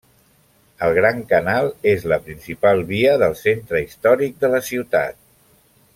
El Gran canal és la principal via del centre històric de la ciutat.